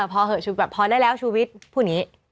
พอเหอะพอได้แล้วชุวิตพูดนี้